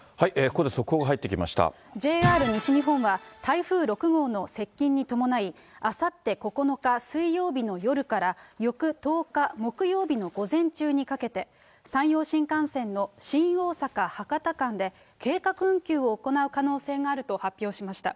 ＪＲ西日本は、台風６号の接近に伴い、あさって９日水曜日の夜から、翌１０日木曜日の午前中にかけて、山陽新幹線の新大阪・博多間で、計画運休を行う可能性があると発表しました。